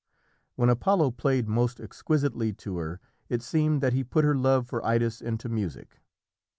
When Apollo played most exquisitely to her it seemed that he put her love for Idas into music.